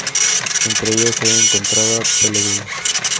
Entre ellos se encontraba Pellegrin.